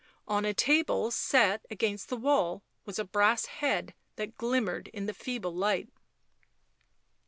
On a table set against the wall was a brass head that glimmered in the feeble light.